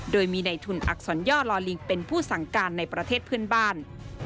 โดยมีในทุนอักษรย่อลอลิงเป็นผู้สั่งการในประเทศเพื่อนบ้าน